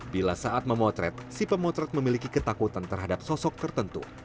bila saat memotret si pemotret memiliki ketakutan terhadap sosoknya